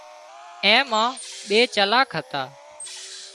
اين مان ٻي چالاڪ هتا